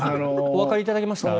おわかりいただけました？